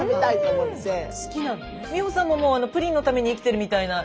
美穂さんもプリンのために生きてるみたいな。